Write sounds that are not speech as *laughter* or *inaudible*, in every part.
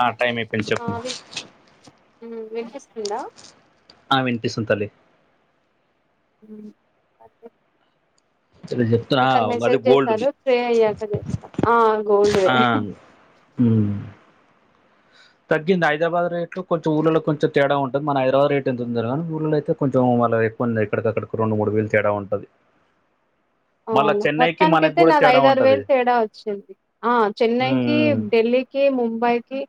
ఆ టైం అయిపోయింది ఆ చెప్పు విన్ వినిపిస్తుందా. ఆ వినిపిస్తుంది తల్లి. *inaudible* సరే జెప్ తను మెసేజ్ చేస్తారు ఫ్రీ అయ్యాక చేస్తా ఆ గోల్డ్ వే. తగ్గిందా హైదరాబాద్ రేట్లు కొంచెం ఊర్లలల్లో కొంచెం తేడా ఉం టది మన హైదరాబాద్ రేట్ ఎంత ఉందో తెలవదు కానీ, ఊళ్ళలో అయితే కొంచెం వాళ్ళవి ఎక్కువ ఉందిలే, ఇక్కడకు అక్కడకు రెండు మూడు వేలు తేడా ఉంటది. అవునా మొత్తానికి మనకి అయితే కూడా నాది తేడా ఐదు ఆరు ఉంటుంది వేలు తేడా వచ్చింది ఆ ఉమ్, చెన్నైకి, ఉమ్. ఢిల్లీ కి, ముంబైకిి,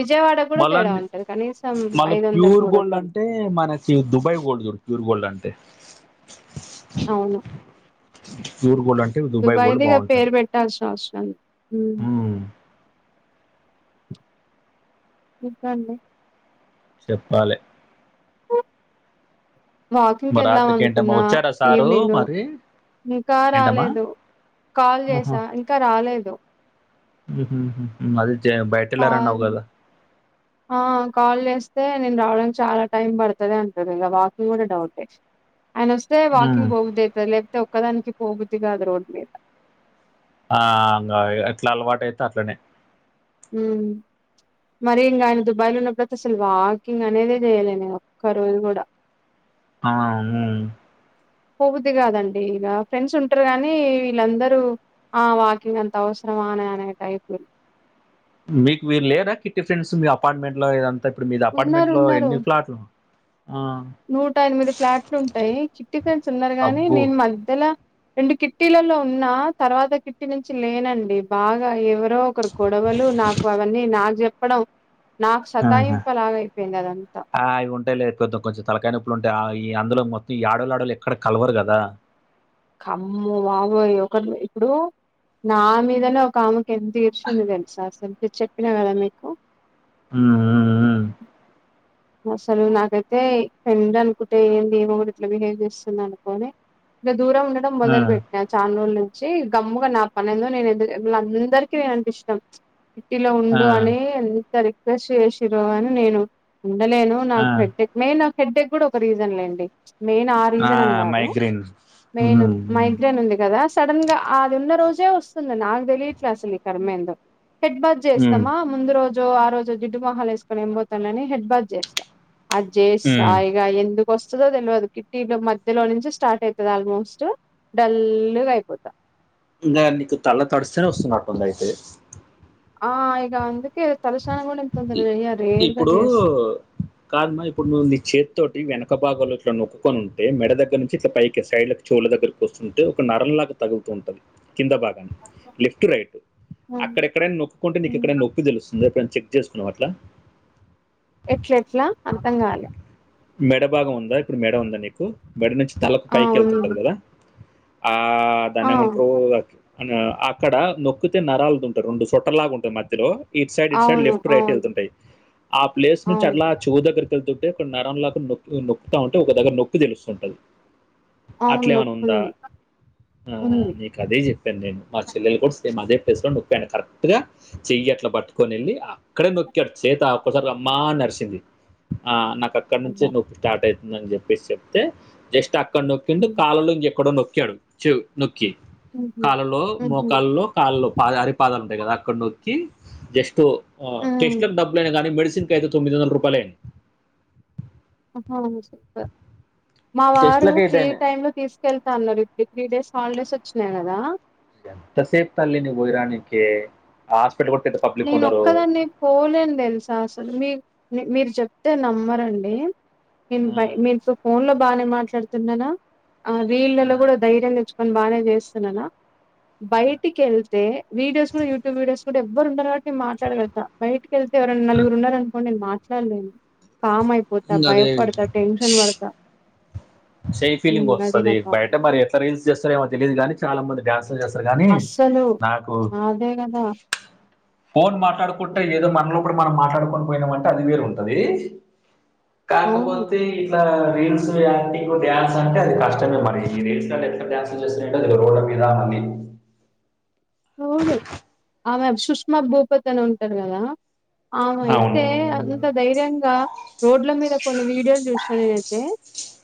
విజయవాడ కూడా మళ్ళా తేడా ఉంటది కనీసం మళ్ళీ ఐదు వందలు ప్యూర్ మూడు గోల్డ్ వందలు. అంటే మనకి దుబాయ్ గోల్డ్ దొరు ప్యూర్ గోల్డ్ అంటే. అవును. ప్యూర్ గోల్డ్ అంటే దుబాయ్ గోల్డ్ దుబాయిది ఇగ పేరు బాగుంటది పెట్టాల్సిన అవసరం ఉమ్, ఇంకా అండి. చెప్పాలే. వాకింగ్ కి మరి ఎళ్దాం రాత్రికి ఏంటమ్మా అనుకున్నా వచ్చారా సారు ఈవినింగ్ మరి ఇంకా ఏంటమ్మా రాలేదు, కాల్ చేసా ఇంకా రాలేదు. మళ్ళీ చేయ్ బయి కాల్ ఆ కాల్ చేస్తే నేను రావడానికి చాలా టైం పడుతది అంటరు ఇగ వాకింగ్ కూడా డౌటే. ఆయన వస్తే హ్మ్. వాకింగ్ పోబుద్ధి అయితది లేకపోతే ఒక్కదానికి పోబుద్ది కాదు రోడ్డు మీద. ఆ అంగా ఎట్ల అలవాటు అయితే అట్లనే. హ్ మరి ఇంగ ఆయన దుబాయ్ల ఉన్నప్పుడుతే అసలు వాకింగ్ అనేదే చేయలే నేను ఒక్క రోజు కూడా. ఆ అవున్. పోబుద్ది కాదండి ఇగ ఫ్రెండ్స్ ఉంటర్రు గానీ వీళ్ళందరూ ఆ వాకింగ్ అంత అవసరమానే అనే టైప్. మీకు వీరు లేరా కిట్టి ఫ్రెండ్స్ మీ అపార్ట్మెంట్లో ఇదం ఇప్పుడు మీది ఉన్నారు అపార్ట్మెంట్ లో ఉన్నారు ఎన్ని ఫ్లాట్లు ఆ నూట ఎనిమిది ఫ్లాట్లు ఉంటాయ్ చిట్టి ఫ్రెండ్స్ ఉన్నారు గానీ అబ్బో! నేను మద్దెలా రెండు కిట్టీలలో ఉన్నా తర్వాత కిట్టి నుంచి లేనండి బాగా ఎవ ర్దో ఒకరు గొడవలు నాకు అవన్నీ నాక్ జెప్పడం నాకు ఆహా! సతాయింపు లాగైపోయింది అదంతా ఆ అవి ఉంటాయ్ లే కొద్ కొంచెం తలకాయ నొప్పులుంటాయ్ ఆ ఈ అందులో మొత్తం ఈ ఆడోళ్లు ఆడోళ్లు ఎక్కడ కల్వరు కదా? కమ్ము వాబోయ్ ఒకర్ ఇప్పుడు నా మీదనే ఒక ఆమెకు ఎంత ఏడ్చింది తెల్సా అసలు చెప్పినా కదా మీకు ఉమ్ ఊ అసలు నాకైతే ఫ్రెండ్ అనుకుంటే ఏంది ఈమె కూడా ఇట్లా బిహేవ్ చేస్తుంది అనుకోని ఇంక దూరం ఉండడం మొదల్ హ్మ్. హ్మ్. బెట్ నా చాన రోజుల నుంచి గమ్ముగా నా పని ఎందో నేను ఏందో వీళ్లందరికీ నేను ఇష్టం ప్చ్ కిట్టీలో ఆ! ఉండు అని ఎంత రిక్వెస్ట్ చేసిర్రో కాని నేను ఉండలేను ఆ! ఆ! నాకు హెడ్డెక్ మెయిన్ నాకు హెడ్డెక్ కూడా ఒక రీజన్ లేండి మెయిన్ ఆ రీజన్ అని కాదు మెయిన్ హ్మ్. హ్మ్. మైగ్రైన్ ఉంది కదా స్? సడన్ గా అది ఉన్న రోజే వస్తుంది నాకు తెలియట్లే అసలు ఈ కర్మ ఏందో హెడ్ బార్ హ్మ్. జేస్తామా? ముందు రోజు ఆ రోజో జిడ్డు మొహాలు వేస్కొని ఏం పోతాలే అని హెడ్ బార్ చేస్తా అది చేస్సా హ్మ్. ఇక ఎందుకు వస్తదో తెల్వదు కిట్టిలో మధ్యలో నుంచి స్టార్ట్ అయితదో ఆల్మోస్ట్ డల్ల్ గా అయిపోతా ఇంగా నీకు తల్ల తడిస్తేనే వస్తున్నట్టుంది అయితే ఆ ఇగ అందుకే తలక్షాన కూడా తొందర్ గా చెయ్యా రేర్ గా చేస్తా బ్ కాగ్ మా ఇప్పుడు నువ్వు చేత్తోటి వెనక భాగంలో ఇట్లా నొక్కుకొని ఉంటే మెడ దగ్గర నుంచి ఇట్లా పైకి సైడ్ల చెవుల దగ్గరకి వస్తుంటే ఒక నరంలాగా తగుల్తూ ఉంటుంది కింద భాగాన లెఫ్ట్ రైట్ హ్మ్, అక్కడెక్కడైనా నొక్కుంటే నీకు హ్మ్. ఎక్కడైనా నొప్పి తెలుస్ నువ్ ఎప్పుడైనా చెక్ చేసుకున్నావా అట్లా? ఎట్లెట్లా అర్థం కాలే మెడ భాగం ఉందా ఇప్పుడు మెడ ఉందా నీకు మెడ నుంచి తల పైకి అవును వెళ్తుంటది కదా ఆ ఆ దాన్ని అవును ఏమంట్రు? అన్ అక్కడ నొక్కితే నరాల్దుంట్ రెండు సొట్టలాగా ఉంటాయ్ మధ్యలో ఇట్ సైడ్ ఇట్ సైడ్ అవును లెఫ్ట్ రైట్ అవును వెళ్తుంటాయి ఆ ప్లేస్ నుంచి అట్లా చెవు దగ్గరకెళ్తుంటే ఒక నరంలాగా నొక్ నొక్తా ఉంటే ఒక దగ్గర నొప్పి తెలుస్తా ఉంటది అవును అట్లేమన్నా ఉందా నొప్పుంది ఆ ఉంది నీక్ అదే చెప్పాను నేను మా చెల్లెలు కూడా సేమ్ అదే ప్లేస్ లో నొప్పాను కరెక్ట్ గా చెయ్యట్ల పట్ కట్టుకొని వెళ్ళి అక్కడే నొక్కాడ్ చేత ఒక్కసారి అమ్మా నరిచింది ఆ నాక్ అక్కడ నుంచే అబ్బా నొప్పి స్టార్ట్ అయితుందని చెప్పేసి చెప్తే జస్ట్ అక్కడ నొక్కిండు హ్మ్. కాళ్ళలో ఇంకెక్కడో నొక్కాడు చూ నొక్కి హుహు. కాలల్లో, హుహు. మోకాల్లో కాళ్ళల్లో పాద అరిపాదాలు ఉంటాయ్ కదా అక్కడ్ నొక్కి జస్ట్ హ్మ్. టెస్ట్లకు డబ్బులు ఐనా గానీ మెడిసిన్ కైతే తొమ్మిదివందల రూపాలే ఆహా స్ మా వారు టెస్ట్లకి ఫ్రీ ఏదైనా టైమ్ లో తీసుకెళ్తా అన్నరు ఈ త్రీ డేస్ హాలిడేస్ వచ్చినాయి గదా? ఎంత సేప్ తల్లి నువ్ వొయ్యిరానీకి ఆ హాస్పిటల్ కూడా పెద్ నేను ఒక్కదాన్నే పోలేను తెల్సా అసలు మీ మీరు చెప్తే నమ్మరండి నేను బై నేన్ మీతో ఫోన్ లో బానే మాట్లాడుతున్నానా ఆ రీళ్లలో కూడా ధైర్యం తెచ్చ్ మ బాగానే చేస్తున్నానా బయటికి వెళ్తే వీడియోస్ కూడా యూట్యూబ్ వీడియోస్ కూడా ఎవరు ఉండరు కాబట్టి మీ మాట్లాడలుగుతా బయటికిళ్తే ఎరన్నా నలుగురు ఉన్నారు అనుకో నేను మాట్లాడలేను, కామ్ అయిపోతా, ఇంకా అదే భయపడతా, టెన్షన్ పడతా. సేమ్ ఫీలింగ్ హ్మ్. అది వస్తాది. నా బయట ప్రాబ్లమ్. మరి ఎట్లా రీల్స్ చేస్తారో ఏమో తెలీదుగాని చాలా మంది డాన్స్ చేస్తారు గానీ అస్సలు నాకు అదే గదా! ఫోన్ మాట్లాడుకుంట హ్మ్. ఏదో మనలోప్పుడు మనం మాట్లాడుకొని పోయినామంటే అది వేరు ఉంటది అవును. కాకపోతే ఇట్లా రీల్స్ అన్నీ ప్ప డ్యాన్స్ అంటే అది కష్టమే మరి. ఈ రీల్స్ ఎట్లా డ్యాన్స్లు చేస్తుంటారో అది రోడ్ల మీద అది అవును ఆమె సుష్మా భూపత్ అని ఉంటారు కదా? అవును ఆమైతే అది యెంత ధైర్యంగా రోడ్ల మీద కొన్ని వీడియోస్ చూసినా నేనైతే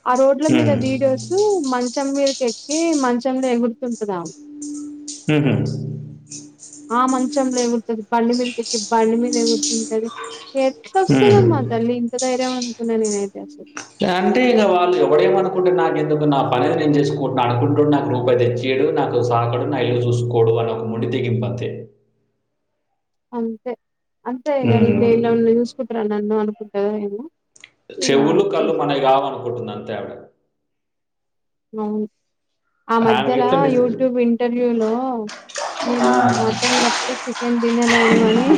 ఆ రోడ్ల మీద ఉమ్ వీడియోస్ మంచం మీదకి ఎక్కి మంచంలో ఎగురుతుంటదా మ్ హూ జు చు చు చు ఆ మంచంలో. ఎగురుతాది బండి మీదకెక్కి బండి మీద ఎగురుతుంటది. ఎట్ల ఉమ్ వస్తదమ్మ తల్లి ఇంత ధైర్యం అనుకున్న నైనైతే అంటే ఇంక వాళ్ళు ఎవడేమ అనుకుంటే నాకు ఎందుకు నా పని నేను చేసుకుంటున్నా అనుకుంటాడు నాకు రూపాయ్ వీడు నాకు సాకడు నా ఇల్లు చూసుకోడు అని ఒక మొండి తెగింపు అంతే. అంతే అంతే ఇగ ఉమ్ వీళ్లు ఎవల్నో చూసుకుంటారో ఏమో నన్ను అనుకుంటారు ఏమో ఇగ చెవులు, కళ్ళు చేస్తా. మనవి కావు అనుకుంటుంది. అంతే ఆవిడ అవును ఆ ఆమెకి మధ్యలో ఎట్లా నిజ యూట్యూబ్ ఇంటర్వ్యూ లో ఆ తినలేదు అని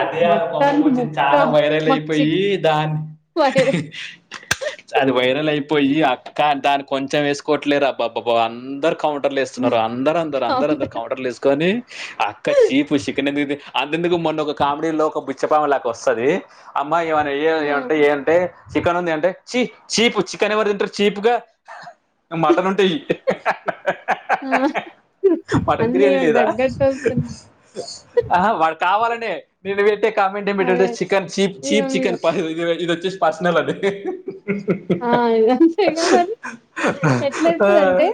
అదే మటన్ పప్పుగుత్తి ముక్క చాలా వైరల్ మాకు అయిపోయి చిక్కు దాన్ని అయ్యేది హ్ హి అది వైరల్ అయిపోయి అక్కా దాన్ని కొంచెం వేసుకోవట్లే రు అబ్బా బా బా అందరూ కౌంటర్లు ఒకసారి మాకు అందరు అందరు అందరు కౌంటర్ కౌంటర్లు వేసుకొని అక్క చీపు చికెన్ ఎందుకు అంతెందుకు మొన్న ఒక కామెడీ లో ఒక బిచ్చపామె వస్తాది. అమ్మా ఏమన్నా ఆ ఏవన్నా ఏయ్ ఏవంటే చికెన్ ఉంది అంటే చీ చీప్ చికెన్ ఎవరు తింటారు చీప్ గా మటన్ ఉంటే వేయి. ఆ మటన్ అన్నీ బిర్యాని ఈమెకు లేదా? తగ్గట్టు వస్తున్నాయి ఆ వాడు కావాలనే నేను పెట్టే కామెంట ఏమంటే అదే చికన్ చీప్ ఈమె చీప్ మీద చికెన్ *unintelligible* పర్సనల్ అది ఆ ఇంతే మరి ఆ, ఎట్లాదుస్తాది అంటే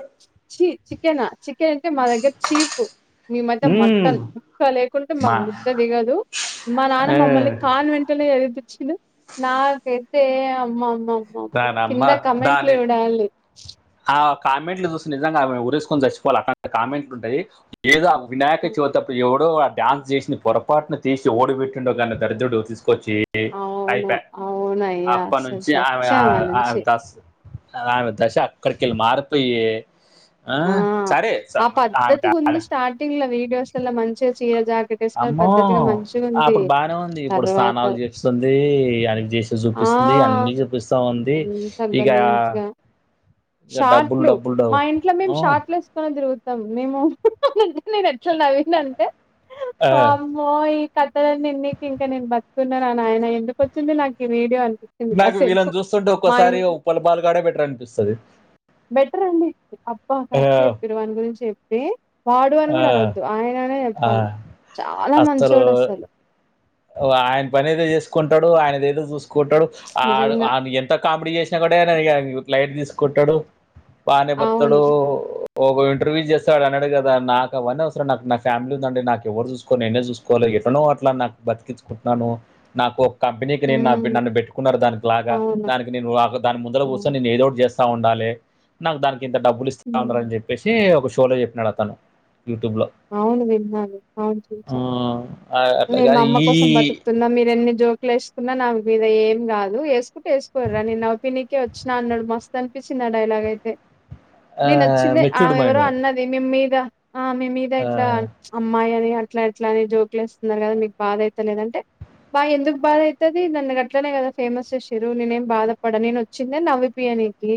చీ చికెనా చికెన్ అంటే మా దగ్గర చీప్. మీ మధ్య మ్మ్, మటన్ ముక్క లే కుంటే మా మాకు ముద్ద దిగదు మా నాన్న ఆ, మమ్మల్ని కాన్ వెంట్ లోనే చదివిపిచ్చుండు. నాకైతే అమ్మమ్మ అమ్ అమ్మా దాని అమ్మ కింద కామెంట్లు దాని చూడాలి. ఆ కామెంట్లు చూసి నిజంగా ఆమె ఉరేసుకొని చచ్చిపోవాలి అన్నట్లు కామెంట్లు ఉంటాయి. ఏదో ఆమె వినాయక చవితి అప్పుడు ఎవడో ఆ డ్యాన్స్ చేసిన పొరపాటును తీసి ఓడుబెట్టిండో గానీ దరిద్రుడు తీసుకొచ్చి అవును అయిపాయ. అవునయ్యా అప్పటి అసలు నుంచి ఆమె సచ్చాం ఆ నుంచి దస ఆమె దశ అక్కడికెళ్ళి మారిపోయి ఆ సరే ఆ ఆమె పద్ధతిగా ఉంది టాలెంట్ స్టార్టింగ్ లో వీడియోస్ లో మంచిగా చీరా జాకెట్ వేసుకొని అమ్మో పద్ధతిగా మంచిగా ఉంది అప్పుడు బాగానే ఉంది ఇప్పుడు తర్వాత స్నాానాలు చేస్తుంది అది చేసి ఆ చూపిస్తుంది అన్నీ చూపిస్తా ఉంది ఇక ఇక డబ్బులు షాట్లు డబ్బులు మా డబ్బు ఇంట్లో మేము ఆ, షార్ట్లు వేసుకొనే తిరుగుతాం మేము నేను ఎట్లా నవ్వినంటే ఆ. వామ్ మోయ్ ఈ కథలన్ని ఇన్నికి ఇంకా నేను బతుకున్నానా నాయన ఎందుకు వచ్చింది నాకు ఈ వీడియో అనిపిచి నాకు వీళ్ళని చూస్తుంటే ఒక్కసారి ఉప్పల్ బాలు గాడే బెటర్ అనిపిస్తది బెటర్ అండి అబ్బా ఆ, కరెక్ట్ చెప్పిరు వాని గురించి చెప్పి వాడు అని ఆ, కూడా అనొద్దు ఆయననే ఆ. చెప్పాలి చాలా మంచొడు అసలు ఆయన పని ఏదో చేసుకుంటాడు ఆయదేదో చూసుకుంటాడు ఆ నిజంగా. ఆ ఎ త కామేడి చేేసిన కూడా లైట్ తీసుకుంటడు బానే బత్తాడు అవును. ఓక ఇంటర్వ్యూ చేస్తే వాడు అన్నాడు కదా నాకు అవన్నీ అవసరం నాకు నా ఫ్యామిలీ ఉందండి నాకు ఎవరు చూసుకోరు నేనే చూసుకో ఎట్లనో అట్లా నాకు బతికించుకుంటున్నాను నాకు కంపెనీకి నే హ్మ్. నన్ను పెట్టుకున్నారు దానికి లాగా అవును. దానికి నేను దాని ముంద అవును. కూసోని నేను ఏదో ఒకటి చేస్ ఉండాలి నాకు దానికి ఇంత డబ్బులు ఇస్తాండారు హ్మ్. అని చెప్ చెప్పేసి ఒక షోలో చెప్పినాడు అతను యూట్యూబ్ లో అవును విన్నాను అవును చూసా ఆహ్, అట్లా నేను మా గాని అమ్మ ఈ కోసం బతుకుతున్నా మీరేన్ని జో వేసుకున్నా నా మీద ఏం కాదు వేసుకుంటే వేసుకోర్రా నేను నౌపినికే వచ్చినా అన్నాడు మస్ కనిపించింది ఆ డైలాగ్ అయితే నేను ఆహ్, వచ్చింది ఆమె మెచ్యూర్డ్ ఎవరో మైండ్ అన్న వెనిం మీద ఆమే మీద ఆ ఇట్ల అమ్మాయి అని అట్లా ఎట్ల అని జోకులు వస్తున్నారు కదా మీకు బాధ అయిత లేదంటే బా ఎందుకు బాధ అయితది నన్ను గట్లనే కదా ఫేమస్ చేసిరు నేనేం బాధపడని న వచ్చింది నవ్వుపియనికి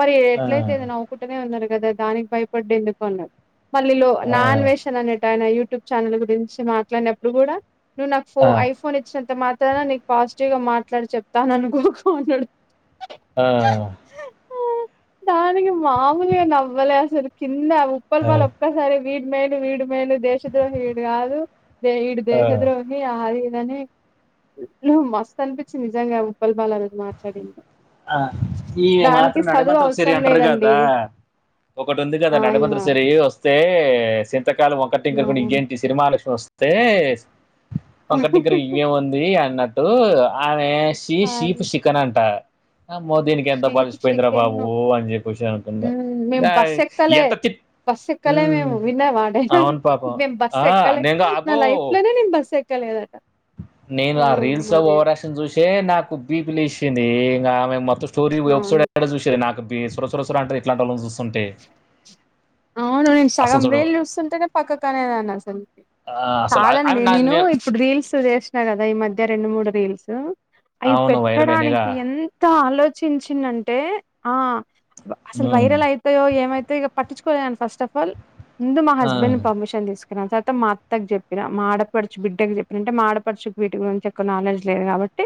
మరి ఆ ఎట్లయితే ఏంది నవ్వుకుంటనే ఉన్నారు కదా దానికి భయపడ్డు ఎందుకు అన్నాడు మళ్ళీ లో ఆ నా అన్వేషణ అనేటాయన యూట్యూబ్ ఛానల్ గురించి మాట్లాడినప్పుడు కూడా నువ్వు నాకు ఫో ఆ ఐ ఫోన్ ఇచ్చినంత మాత్రాన నీకు పాజిటివ్ గా మాట్లాడి చెప్తాను అనుకోకు అన్నాడు ఆ దానికి మామూలుగా నవ్వలేసలు కింద ఉప్పల్ వాళ్ ఒక్కసారి వీడి మేను వీడి మేను దేశ ద్రోహి విడు కాదు ఈడు ఆ దేశ ద్రోహి ని ఆదిదని నువు మస్తు అనిపిచ్చింది నిజంగా ఉప్పల్ బాలు ఆ రోజు మాట్లాడింది ఆ ఈవ మాత్ర దానికి నడ చదువు మాత్ర సరి అవసరం లేదండి అంట్రగాదా ఒకటి ఉంది కదా ఆ ఈమ నడమద్ర సిరి వస్ వస్తే సింతకాలం ఒకటి ఇంకరుకని అవును ఇంకేంటి సినిమాలక్ష్మి వస్తే పంకట్గర ఇవ్వేము ఉంది అన్నట్టు ఆమె సి సిప్ అది కనంట అమ్మో దీనికి ఎంత చీప్ బలిసిపోయిందిరా చికెన్ బాబు అని చెప్పేసి అనుకున్న ఎంత త బస్సు ఎక్కలే మేము విన్నవా డైలాగ్ పాపం మేం ఆ బస్సు ఎక్కలే నేను నా అబ్బో లైఫ్ లోనే నేను బస్సు ఎక్ కలేదటా నేను ఆ రీల్స్ ఓవరాక్షన్ చూసే నాకు బీపి లేసింది ఇంగ ఆమె మొత్తం స్టోర వెబ్సైడ్ అవును యాడ చూసేది నాకు సుర సుర అంటది ఇట్లాంటి వాళ్ళని చూస్తుంటే అవును నేను అసలు సగం చూడు వేలు చూస్తుంటేనే పక్కకు అనేదాన్ని అసలు ఆహ్, అసలు ఆహ్, ఆమె కాదండి నా నేను నే ఇప్పుడు రీల్స్ చేసిన కదా ఈ మధ్య రెండు మూడు రీల్స్ అవి అవును వైరల్ అయినయిగా. పెట్టడానికి ఎం త ఆలోచించిన్నంటే ఆ అసలు హ్మ్. వైరల్ అయ్ యో ఏమైతయ్ ఇగ పట్టించుకోలేను ఫస్ట్ ఆఫ్ ఆల్ ముందు మా ఆ! హస్బెండ్ పర్మిషన్ తీసుకు తర్వాత మా అత్తకు చెప్పినా మాడపడుచు బిడ్డకు చెప్పినా అంటే మాడపడుచుకు వీటి గురించి క్ నాలెడ్జ్ లేదు కాబట్టి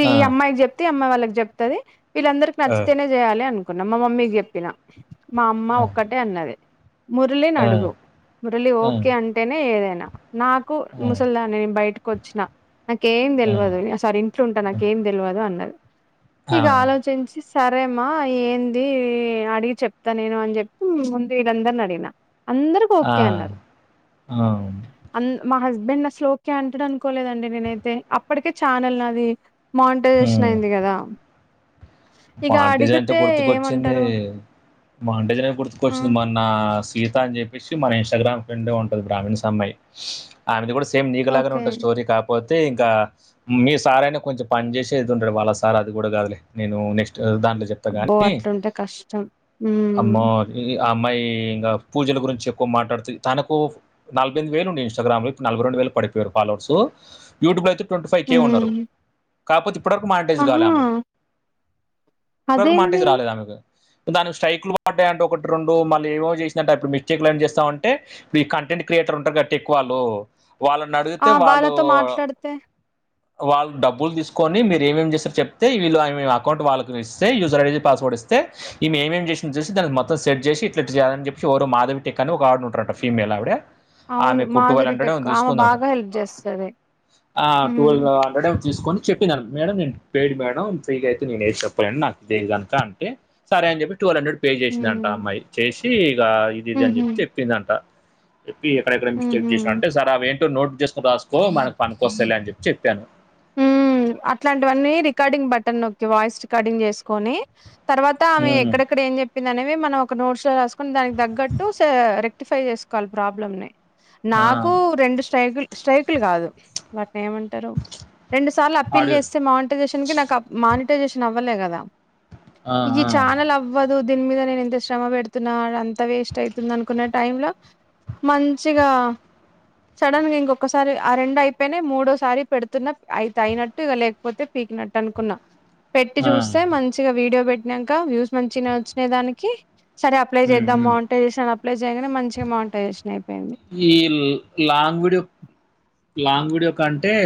ఈ ఆ! ఈ అమ్మాయికి చెప్తే అమ్మాయి వాళ్ళకి చెప్తది వీళ్ళందరికి ఆ! నచ్చితేనే చేయాలి అనుకున్నాం మా మమ్మీకి చెప్పినా మా అమ్మ ఆ! ఒక్కటే అన్నది మురళిని ఆ! అడుగు మురళి ఆ! ఆ! ఓకే అంటే టేనే ఏదైనా నాకు ముసల్దానే బైటికోచ్చిన నాకేం తెల్వదు సారి ఇంట్ల ఉంటా నాకేం తెల్వదు అన్నది ఆ! ఆ! ఇగ ఆలోచించి సరేమా ఏందీ అడి చెప్తా నేను అని చెప్పి ముందు ఇడాందర్ని అడిగిన అందరు ఆ! ఆ! ఒకే అన్నారు హ్మ్. అన్ మా హస్బెండ్ అస్లు ఒకే అంటడు అనుకోలేదండి నేనైతే అప్పటికే ఛానల్ నాది మాంటేజేషన్ అయింది గదా మాంటేజ్ అంటే గుర్తుకొచ్చిందీ ఏమంటరు మాంటేజనే ఆ గుర్తుకొచ్చింది మన్నా సీత అన్ జెప్పేసి మ ఇంస్టాగ్రామ్ ఫ్రెండే ఉంటది బ్రహ్మిణ్ సమ్మాయి ఆమెది గూడా సేమ్ నీకులాగనె ఓకే ఉంటాది స్టోరి కా పోతే ఇంకా మీ సార్ అయినా కొంచెం పని జేషెది ఉంటడు వాళ్ళ సార్ అది గూడా కాదులే నేను నెక్ట్ దాంట్ల జేప్ అబ్బో అట్లుంటే కష్టం ఉమ్ అమ్మో ఆ అమ్మాయి ఇంగా పూజల గురించి ఎక్కు మాటాడ్తది తనకూ నలపై ఎమ్ది వేలుండె ఇన్స్టాగ్రామ్ లో నల్భై రోండు వేలక్ పడిపోయారు ఫాలోర్సు యూట్యూుల అయితే ట్వంటీ ఫైవ్ కే ఉన్నారు ఉమ్ కాపోతే ఇప్పటివకు మాంటేజ్ గాలా ఆహా ఆమెది ఇంతవర్ మాంటేజ్ అదేంది రాల ఆమెది దానికి స్ట్రైక్లు బాటయట ఒకట్ రెండో మళ్ళీ ఏవో జేషిందాంట అప్పుడు మిస్టేక్లు అన్ని జేస్తావుంటే ప్రీ కంటెండ్ క్రియేటర్ ఉంటర్గ టెక్కు వాళ్ళూ వాళ్ళని ఆ అడిగితే వాళ్ళూ వాళ్ళతో మాట్లాడితే వాళ్ళు డబ్బుల్ తీస్కొని మీరు ఏం ఏం జేస్తార్ చెప్తే వీల్లు ఆ యు ఇ ఆ అకౌంట్ వాళ్ళకు ఇస్తే యూజర్ ఐ డి పాస్వర్డ్ ఇస్తే ఈ మే ఏం ఏం జేసిందని జూషి దానిక్ మొత్తం సెట్ జేషి ఇట్లా జేయాలని జేప్పి యవరో మాధవి టేక్ అని ఒగ ఆవిడ ఉంట్రంట ఫీమెయిల్ ఆవిడ అవును ఆమెకు టూ థౌసండ్ మాధురి టెక్ హండ్రెడ్ ఆవ తీసుకుందాం బాగా హెల్ప్ చేస్సరు ఆ టుల్వ్ హండ్రెడ్ ఏం తీస్కొని చెప్పిన మేడం నేను పెయిడ్ మేడం ఫ్రీగా అయితే నేను ఏం చెప్ ఫ్రెండ్ నాకు దీని గాంత అంటే సరే అని జెప్పి టువెల్ హండ్రెడ్ పే జేషిందంట ఉమ్ ఆ అమ్మాయి చేషి ఇగ ఇది అని ఉహు జేప్పి చెప్పిందంట చెప్పి ఎక్కడెక్కడ మిస్చెక్ ఉహు జెష్న అంటె సార్ అవి ఏంటో నోట్ జెస్కో రాస్కో మనక్ పనికొ స్తైలే అని జెప్ చెప్పాను ఉ అట్లాంటివన్నీ రికార్డింగ్ బటన్ నొక్కి వాయిస్ రికార్డింగ్ జేస్కొని తర్వాత ఆమె ఉమ్ ఎక్కడెక్కడ ఏం జేప్పింది అనేవి మనం ఒక నోడ్స్ లో రాస్కోన్ దానికి దగ్గట్టు సా రే టిఫై చేస్కోవాలి ప్రాబ్లమ్నీ ఆ నాకూ రెండు స్ట్రిగుల్ స్ట్రైకులు గాదు వాట్ని ఏమంటరు తార్ల అప్పీల్ ఆడియో జేస్తే మాంటైజేషాన్కి నాక్ అప్ మానిటైజేషన్ అవ్వలేగదా ఆ ఇవి ఆ ఛానల్ అవ్ అవ్వదు దీన్ మీద నేను ఇంత శ్రమ వేడ్తన్నా అదంతా వేస్ట్ అయితుంది అనుకున్న టైమ్ లా మంచిగా సడన్గా ఇంకొక్కసారి ఆ రెండు అయిపోయ్నై మూడోసారి పెడ్తన్న అయి తయినట్టు ఇగ లేక్పోతే పీకినట్టు అనుకున్నా పెట్టి ఆ జూస్తే మం చిగా వీడియో బెట్నంక వ్యూస్ మంచినే ఒచ్చినై దానికి సరే అప్లై ఉమ్ జేద్దాం ఉమ్ మాన్టైజేషన్ అప్లై జేయంగనే మంచిగ మాంటైజేషన్ అయిపోయింది ఈ ల్ లాంగ్ వీడియో లాంగ్ వీడియో కంటే